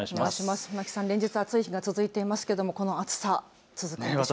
連日、暑い日が続いていますけれどもこの暑さ続くんでしょうか。